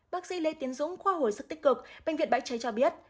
bác sĩ lê tiến dũng khoa hồi sức tích cực bệnh viện bãi cháy cho biết